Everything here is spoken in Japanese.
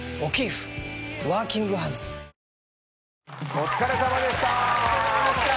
お疲れさまでした。